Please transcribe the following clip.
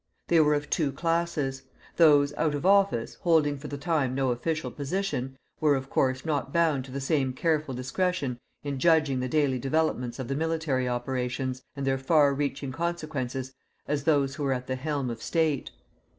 They were of two classes. Those out of office, holding for the time no official position, were, of course, not bound to the same careful discretion in judging the daily developments of the military operations, and their far reaching consequences, as those who were at the helm of State.